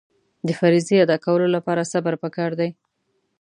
د فریضې ادا کولو لپاره صبر پکار دی.